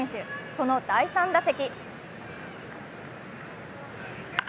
その第３打席。